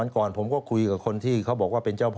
คนที่เขาบอกว่าเป็นเจ้าพ่อ